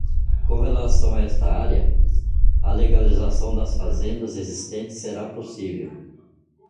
Com relação a esta área, a legalização das fazendas existentes será possível.